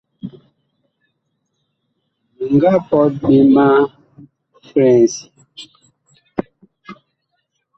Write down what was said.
Mi nga pɔt ɓe ma flɛŋsi.